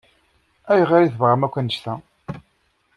Ayɣer i tebɣamt akk annect-a?